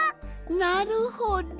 なるほど。